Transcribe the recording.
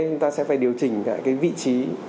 chúng ta sẽ phải điều chỉnh vị trí